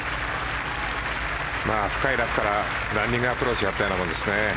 深いラフからランニングアプローチやったようなもんですね。